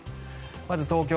まず、東京